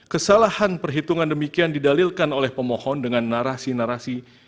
kesalahan perhitungan demikian didalilkan oleh pemohon dengan narasi narasi